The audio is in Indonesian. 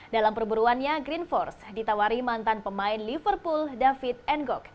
dalam perburuannya green force ditawari mantan pemain liverpool david enggok